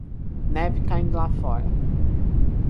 Neve caindo lá fora